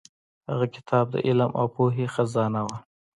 هغه کتاب د علم او پوهې خزانه وه.